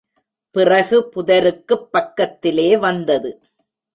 பிறகு புதருக்குப் பக்கத்திலே வந்தது.